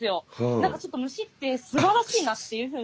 何かちょっと虫ってすばらしいなっていうふうに。